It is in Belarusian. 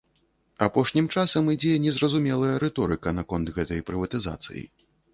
Апошнім часам ідзе незразумелая рыторыка наконт гэтай прыватызацыі.